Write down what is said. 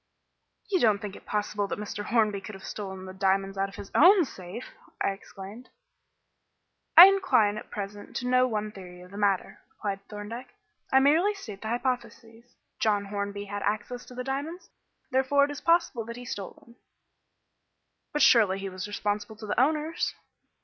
"You don't think it possible that Mr. Hornby could have stolen the diamonds out of his own safe?" I exclaimed. "I incline at present to no one theory of the matter," replied Thorndyke. "I merely state the hypotheses. John Hornby had access to the diamonds, therefore it is possible that he stole them." "But surely he was responsible to the owners."